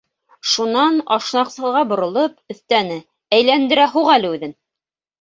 Шунан ашнаҡсыға боролоп, өҫтәне: —Әйләндерә һуҡ әле үҙен!